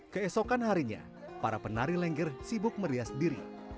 keesokan harinya para penari lengger sibuk merias diri